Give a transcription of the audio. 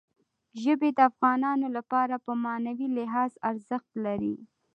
ژبې د افغانانو لپاره په معنوي لحاظ ارزښت لري.